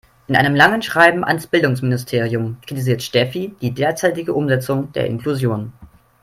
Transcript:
In einem langen Schreiben ans Bildungsministerium kritisiert Steffi die derzeitige Umsetzung der Inklusion.